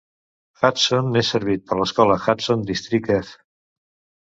Hudson és servit per l'escola Hudson DistrictF.